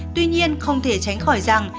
tuy nhiên không thể tránh khỏi rằng